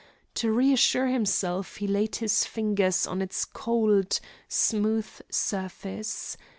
To reassure himself he laid his fingers on its cold smooth surface.